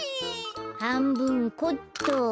はんぶんこっと。